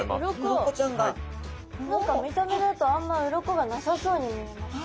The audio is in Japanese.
何か見た目だとあんま鱗がなさそうに見えますね。